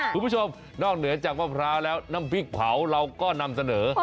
คุณผู้ชมนอกเหนือจากมะพร้าวแล้วน้ำพริกเผาเราก็นำเสนอ